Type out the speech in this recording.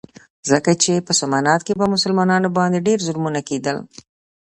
ځکه چې په سومنات کې په مسلمانانو باندې ډېر ظلمونه کېدل.